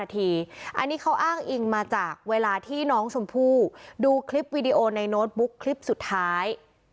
อันนี้เขาอ้างอิงมาจากเวลาที่น้องชมพู่ดูคลิปวีดีโอในโน้ตบุ๊กคลิปสุดท้าย